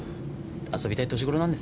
遊びたい年ごろなんですよ。